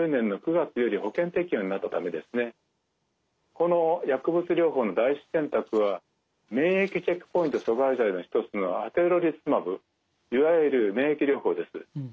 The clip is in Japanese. この薬物療法の第１選択は免疫チェックポイント阻害剤の一つのアテゾリスマブいわゆる免疫療法です。